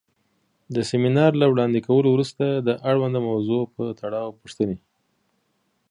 د سمینار له وړاندې کولو وروسته د اړونده موضوع پۀ تړاؤ پوښتنې